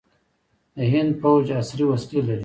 د هند پوځ عصري وسلې لري.